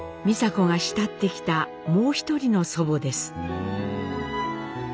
美佐子が慕ってきたもう一人の祖母です。